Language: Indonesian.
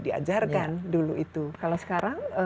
diajarkan dulu itu kalau sekarang